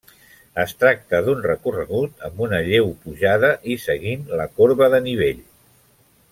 Es tracta d'un recorregut amb una lleu pujada i seguint la corba de nivell.